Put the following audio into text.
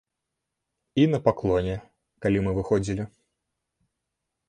І на паклоне, калі мы выходзілі.